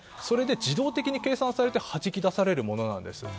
それで自動的に計算されてはじき出されるものなんです。